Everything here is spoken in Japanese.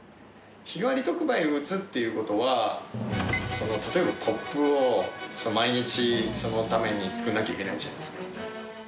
日替わり特売を打つっていう事は例えばＰＯＰを毎日そのために作らなきゃいけないじゃないですか。